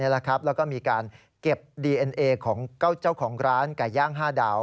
แล้วก็มีการเก็บดีเอ็นเอของเจ้าของร้านไก่ย่าง๕ดาว